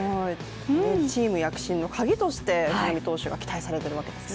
チーム躍進の鍵として藤浪投手が期待されてるわけですね。